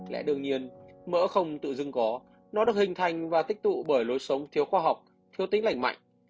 lẽ đương nhiên mỡ không tự dưng có nó được hình thành và tích tụ bởi lối sống thiếu khoa học thiếu tính lành mạnh